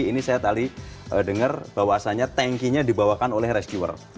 ini saya tadi dengar bahwasannya tankinya dibawakan oleh rescuer